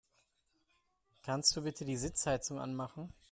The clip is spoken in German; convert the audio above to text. Kannst du bitte die Sitzheizung anmachen?